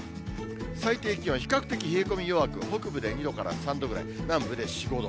最低気温、比較的冷え込み弱く、北部で２度から３度ぐらい、南部で４、５度。